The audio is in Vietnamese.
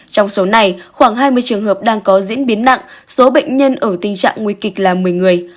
trong số này khoảng hai mươi trường hợp đang có diễn biến nặng số bệnh nhân ở tình trạng nguy kịch là một mươi người